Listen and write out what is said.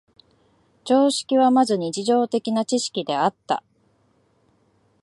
常識はまず日常的な知識であった。